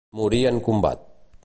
Morí en combat.